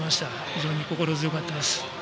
非常に心強かったです。